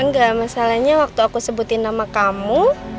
enggak masalahnya waktu aku sebutin nama kamu